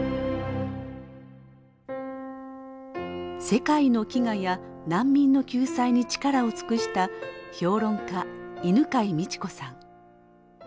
世界の飢餓や難民の救済に力を尽くした評論家犬養道子さん。